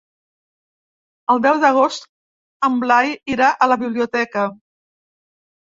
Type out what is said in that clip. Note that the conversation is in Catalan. El deu d'agost en Blai irà a la biblioteca.